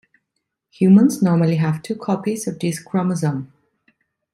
Humans normally have two copies of this chromosome.